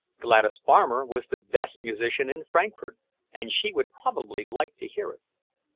Gladys Farmer was the best musician in Frankfort, and she would probably like to hear it.